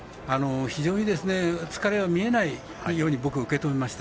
非常に疲れの見えないように僕、見えました。